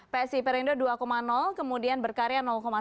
psi perindo dua kemudian berkarya satu